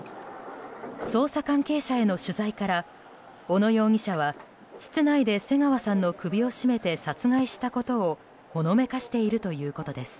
捜査関係者への取材から小野容疑者は室内で瀬川さんの首を絞めて殺害したことをほのめかしているということです。